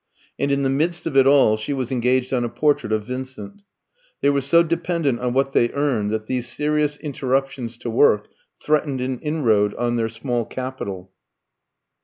And in the midst of it all she was engaged on a portrait of Vincent. They were so dependent on what they earned that these serious interruptions to work threatened an inroad on their small capital.